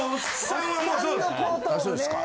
そうですか。